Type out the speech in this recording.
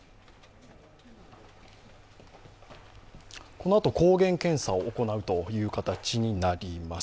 このあと抗原検査を行うという形になります。